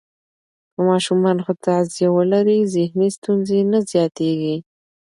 که ماشومان ښه تغذیه ولري، ذهني ستونزې نه زیاتېږي.